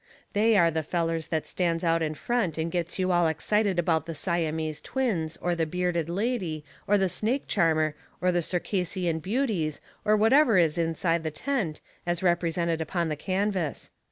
They are the fellers that stands out in front and gets you all excited about the Siamese twins or the bearded lady or the snake charmer or the Circassian beauties or whatever it is inside the tent, as represented upon the canvas.